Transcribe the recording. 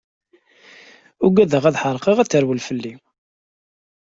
Uggadeɣ ad ḥerkeɣ ad terwel fell-i.